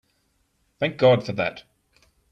Thank God for that!